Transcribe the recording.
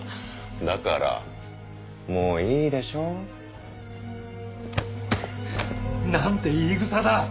だからもういいでしょ？なんて言い草だ！